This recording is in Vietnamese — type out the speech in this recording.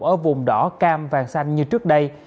ở vùng đỏ cam vàng xanh như trước đây